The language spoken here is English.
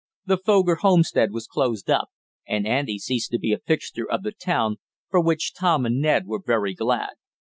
The Foger homestead was closed up, and Andy ceased to be a fixture of the town, for which Tom and Ned were very glad.